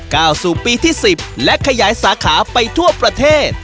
ก้าวสู่ปีที่๑๐และขยายสาขาไปทั่วประเทศ